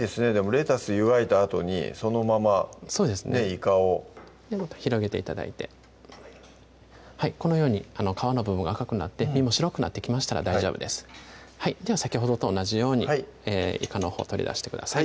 レタス湯がいたあとにそのままねいかをでもっと広げて頂いてこのように皮の部分が赤くなって身も白くなってきましたら大丈夫ですでは先ほどと同じようにいかのほう取り出してください